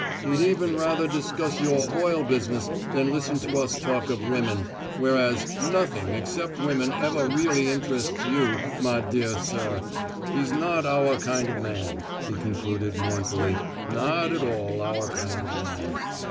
He'd even rather discuss your oil business than listen to us talk of women, whereas nothing except women ever really interests you, my dear sir. He's not our kind of man," he concluded, mournfully; "not at all our kind of man!"